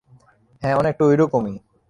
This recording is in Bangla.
হ্যাঁ, অনেকটা ওইরকমই।